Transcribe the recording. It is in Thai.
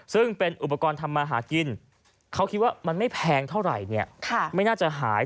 ซึ่งเป็นอุปกรณ์ทำมาหากินเขาคิดว่ามันไม่แพงเท่าไหร่เนี่ยไม่น่าจะหาย